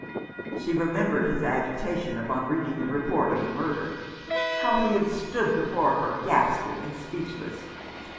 She remembered his agitation upon reading the report of the murder ; how he had stood before her ghastly and speechless.